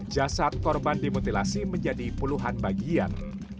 jasad korban dimutilasi menjadi puluhan bagian